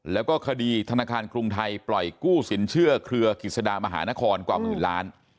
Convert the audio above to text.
แล้วก็คดีธนาคารกรุงไทยปล่อยกู้สินเชื่อเครือกิจสดามหานครกว่าหมื่นล้าน